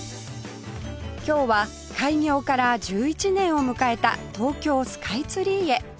今日は開業から１１年を迎えた東京スカイツリーへ